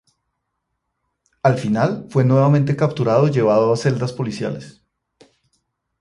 Al final, fue nuevamente capturado y llevado a celdas policiales.